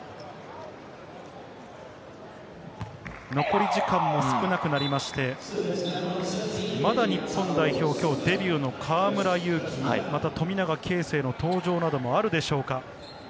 残り時間も少なくなりまして、まだ日本代表、今日デビューの河村勇輝、富永啓生の登場などもあるでしょうか。